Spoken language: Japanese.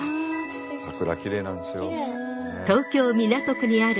桜きれいなんですよ。